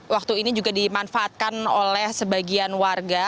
waktu ini juga dimanfaatkan oleh sebagian warga